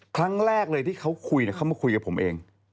ครั้งแรกเลยที่เขาคุยเขามาคุยกับผมเอง